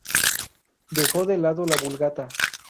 Dejó de lado la Vulgata.